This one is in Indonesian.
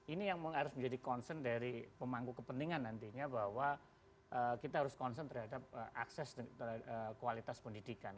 ini yang harus menjadi concern dari pemangku kepentingan nantinya bahwa kita harus concern terhadap akses kualitas pendidikan